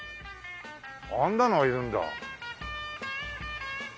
あんなのがいるんだ。